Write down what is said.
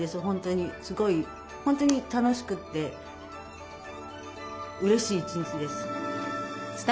本当にすごい本当に楽しくてうれしい一日です。